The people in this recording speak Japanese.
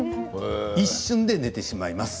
一瞬で寝てしまいます。